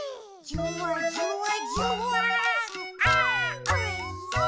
「じゅわじゅわじゅわーんあーおいしい！」